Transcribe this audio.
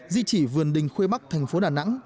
di trì vườn đình khuê bắc thành phố đà nẵng